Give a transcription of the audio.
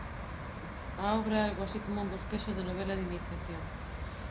A obra é algo así como un bosquexo de novela de iniciación.